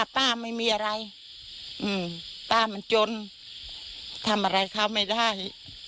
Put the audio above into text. ทำอะไรเขาไม่ได้